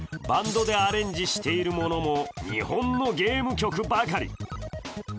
バントでアレンジしているものも日本のゲーム曲ばかり。